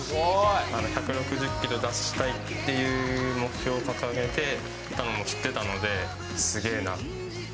１６０キロ出したいっていう目標を掲げていたのも知ってたので、すげぇなって。